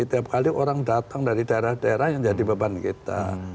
tiap kali orang datang dari daerah daerah yang jadi beban kita